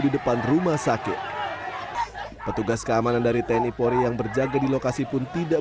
di depan rumah sakit petugas keamanan dari tni pori yang berjaga di lokasi pun tidak